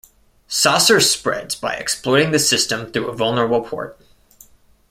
Sasser spreads by exploiting the system through a vulnerable port.